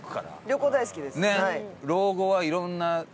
旅行大好きです。